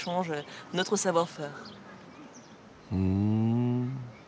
ふん。